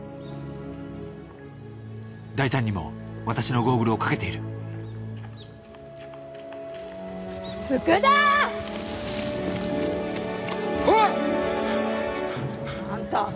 大胆にも私のゴーグルをかけている福田！